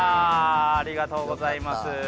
ありがとうございます。